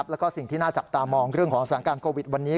แล้วก็สิ่งที่น่าจับตามองเรื่องของสถานการณ์โควิดวันนี้